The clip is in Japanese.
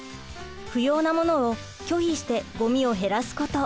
不要なものを拒否してごみを減らすこと。